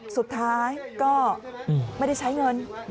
สุดท้ายก็ไม่ได้ใช้เงิน